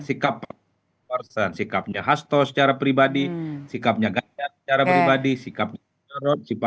sikap person sikapnya hastos secara pribadi sikapnya gajah secara pribadi sikapnya menyerot sikapnya menginter